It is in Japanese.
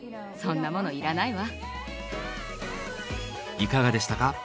いかがでしたか？